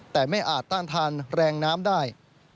แต่ไม่อาจต้านทานแรงน้ำได้